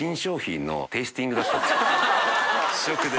試食で。